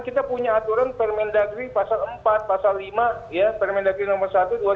kita punya aturan permendagri pasal empat pasal lima ya permendagri nomor satu dua ribu